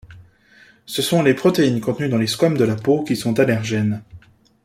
Ce sont les protéines contenues dans les squames de la peau qui sont allergènes.